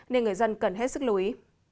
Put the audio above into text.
nên người dân cần hết sức lưu ý